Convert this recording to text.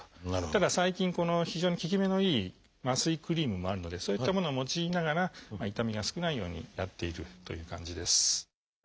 ただ最近非常に効き目のいい麻酔クリームもあるのでそういったものを用いながら痛みが少ないようにやっているという感じです。